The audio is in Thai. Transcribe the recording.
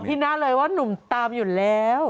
หน้าเลยว่าหนุ่มตามอยู่แล้ว